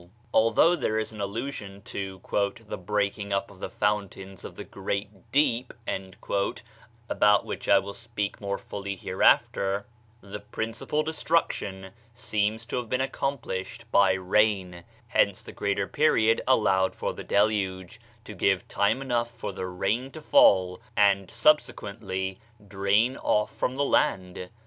Although there is an allusion to "the breaking up of the fountains of the great deep" (about which I shall speak more fully hereafter), the principal destruction seems to have been accomplished by rain; hence the greater period allowed for the Deluge, to give time enough for the rain to fall, and subsequently drain off from the land.